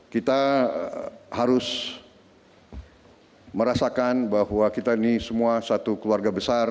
kita harus merasakan bahwa kita ini semua satu keluarga besar